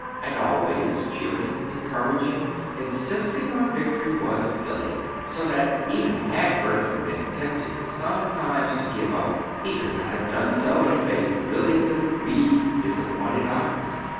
And always, cheering, encouraging, insisting on victory, was Billy, so that even had Bertram been tempted, sometimes, to give up, he could not have done so and faced Billy's grieved, disappointed eyes.